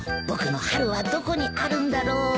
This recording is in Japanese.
僕の春はどこにあるんだろう。